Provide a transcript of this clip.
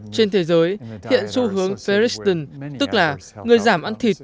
trên thế giới hiện xu hướng ferriston tức là người giảm ăn thịt